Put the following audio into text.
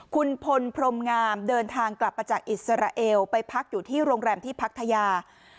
คุณพลพรมงามเดินทางกลับมาจากอิสราเอลไปพักอยู่ที่โรงแรมที่พัทยา